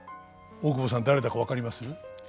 大久保さん誰だか分かります？